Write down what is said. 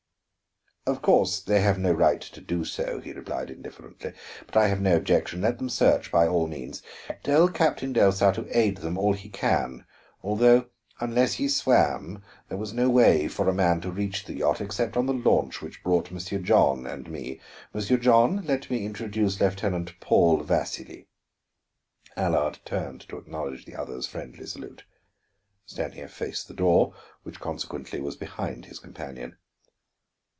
"Of course they have no right to do so," he replied indifferently, "but I have no objection. Let them search, by all means. Tell Captain Delsar to aid them all he can, although, unless he swam, there was no way for a man to reach the yacht except on the launch which brought Monsieur John and me. Monsieur John, let me introduce Lieutenant Paul Vasili." Allard turned to acknowledge the other's friendly salute. Stanief faced the door, which consequently was behind his companion.